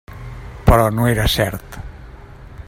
Però no era cert.